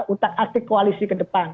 utak atik koalisi ke depan